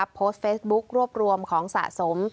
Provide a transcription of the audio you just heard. โพสต์เฟซบุ๊ครวบรวมของสะสม